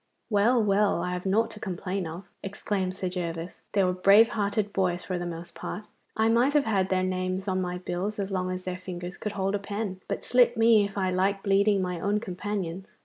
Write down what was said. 'Well, well, I have nought to complain of!' exclaimed Sir Gervas. 'They were brave hearted boys for the most part. I might have had their names on my bills as long as their fingers could hold a pen, but slit me if I like bleeding my own companions.